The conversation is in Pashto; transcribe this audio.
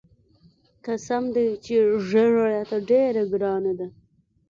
قسم دى چې ږيره راته ډېره ګرانه ده.